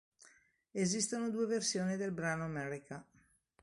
Esistono due versioni del brano Amerika.